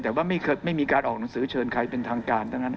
แต่ว่าไม่มีการออกหนังสือเชิญใครเป็นทางการทั้งนั้น